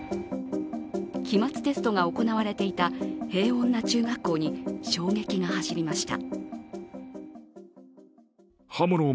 期末テストが行われていた平穏な中学校に衝撃が走りました。